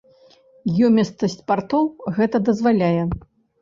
Ёмістасць партоў гэта дазваляе.